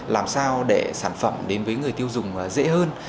làm sao để sản phẩm đến với người tiêu dùng dễ hơn